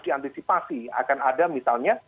diantisipasi akan ada misalnya